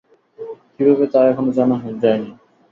কীভাবে, তা এখনো জানা যায়নি।